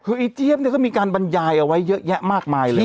คือไอ้เจี๊ยบเนี่ยก็มีการบรรยายเอาไว้เยอะแยะมากมายเลย